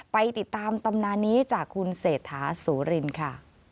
ไปติดตามตำนานนี้จากคุณเศรษฐาโสรินค่ะ